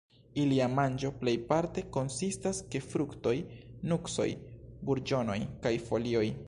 Ilia manĝo plejparte konsistas ke fruktoj, nuksoj, burĝonoj kaj folioj.